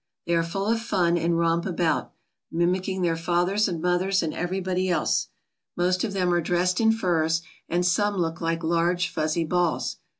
They are full of fun and romp about, mimicking their fathers and mothers and 215 ALASKA OUR NORTHERN WONDERLAND everybody else. Most of them are dressed in furs, and some look like large fuzzy balls.